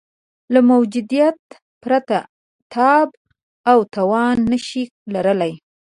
له موجودیته پرته تاب او توان نه شي لرلای.